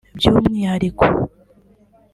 by’umwihariko